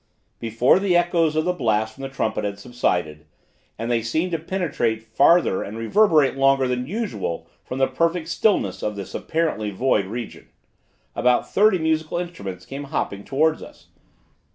Before the echoes of the blast from the trumpet had subsided, (and they seemed to penetrate farther and reverberate longer than usual from the perfect stillness of this apparently void region,) about thirty musical instruments came hopping towards us.